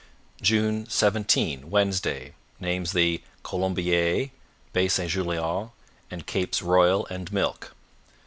June 17 Wednesday Names the Colombiers, Bay St Julien, and Capes Royal and Milk.